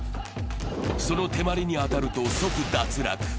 その手まりに当たると、即、脱落。